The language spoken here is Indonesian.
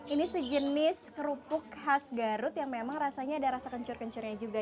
ini sejenis kerupuk khas garut yang memang rasanya ada rasa kencur kencurnya juga